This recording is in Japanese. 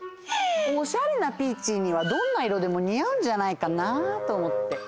おしゃれなピーチーにはどんないろでもにあうんじゃないかなとおもって。